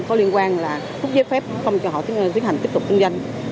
có liên quan là phút giấy phép không cho họ tiến hành tiếp tục kinh doanh